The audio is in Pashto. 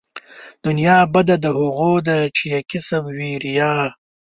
دنيا بده د هغو ده چې يې کسب وي ريا